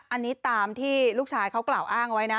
อันนี้ตามที่ลูกชายเขากล่าวอ้างไว้นะ